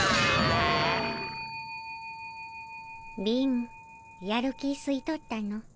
貧やる気すい取ったの。